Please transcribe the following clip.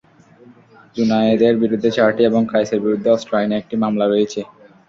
জুনায়েদের বিরুদ্ধে চারটি এবং কায়েসের বিরুদ্ধে অস্ত্র আইনে একটি মামলা রয়েছে।